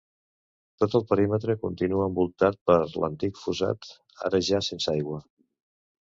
Tot el perímetre continua envoltat per l'antic fossat, ara ja sense aigua.